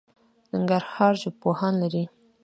ننګرهار ژبپوهان لري